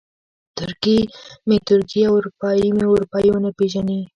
ترکي مې ترکي او اروپایي مې اروپایي ونه پېژني.